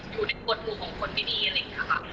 อยู่ในกฎหมู่ของคนไม่ดีอะไรอย่างนี้ค่ะ